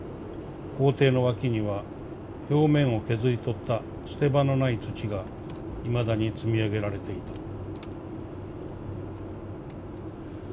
校庭の脇には表面を削り取った捨て場のない土がいまだに積み上げられていた」。